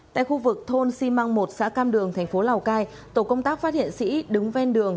tại khu vực thôn xi măng một xã cam đường thành phố lào cai tổ công tác phát hiện sĩ đứng ven đường